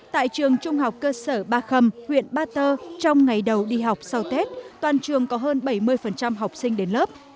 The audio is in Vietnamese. tại trường trung học cơ sở ba khâm huyện ba tơ trong ngày đầu đi học sau tết toàn trường có hơn bảy mươi học sinh đến lớp